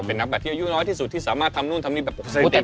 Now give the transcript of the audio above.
เป็นนักบัตรที่อายุน้อยที่สุดที่สามารถทำนู่นทำนี่แบบเศรษฐีใหม่เต็มเลย